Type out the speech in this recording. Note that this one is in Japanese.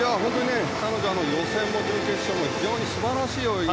彼女、予選も準決勝も非常に素晴らしい泳ぎ